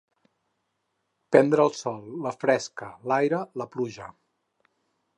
Prendre el sol, la fresca, l'aire, la pluja.